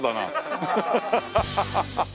ハハハハハ！